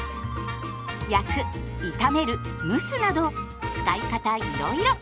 焼く炒める蒸すなど使い方いろいろ。